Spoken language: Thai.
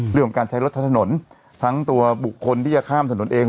เรื่องของการใช้รถใช้ถนนทั้งตัวบุคคลที่จะข้ามถนนเอง